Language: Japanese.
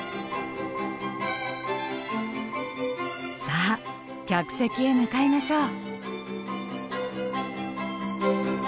さあ客席へ向かいましょう。